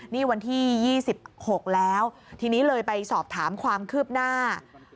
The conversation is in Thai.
นี่วันที่๒๖แล้วทีนี้เลยไปสอบถามความคืบหน้า